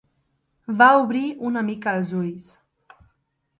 Va obrir una mica els ulls.